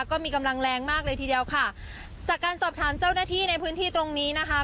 ก็มีกำลังแรงมากเลยทีเดียวค่ะจากการสอบถามเจ้าหน้าที่ในพื้นที่ตรงนี้นะคะ